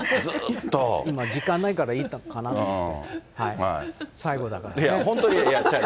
今、時間内だからいいかなって。